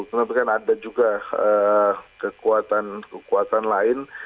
tapi kan ada juga kekuatan kekuatan lain